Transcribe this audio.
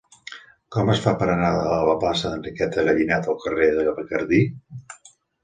Com es fa per anar de la plaça d'Enriqueta Gallinat al carrer de Bacardí?